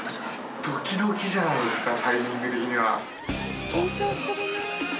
ドキドキじゃないですかタイミング的には。